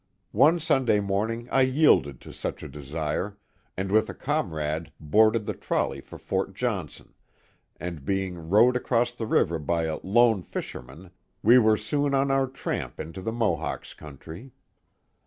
One Sunday morning I yielded to such a desire, and with a comrade boarded the trolley for Fort Johnson, and being rowed across the river by a " lone fisherman," we were soon on our tramp into the Mohawks' country.